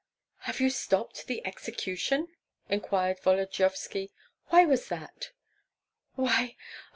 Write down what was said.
"Have you stopped the execution?" inquired Volodyovski. "Why was that?" "Why?